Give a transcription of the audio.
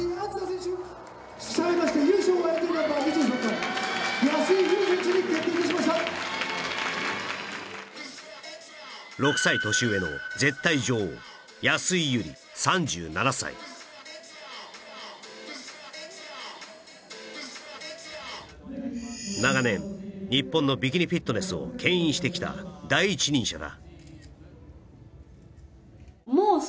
従いまして６歳年上の長年日本のビキニフィットネスを牽引してきた第一人者だ